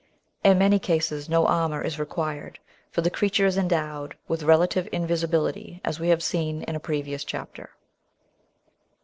In many cases no armour is required, for the creature is endowed with relative invisibility, as we have seen in a previous chapter.